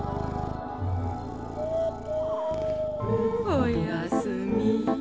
おやすみ。